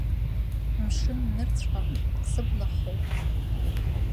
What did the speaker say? Мшыннырцәҟа сыбла хоуп!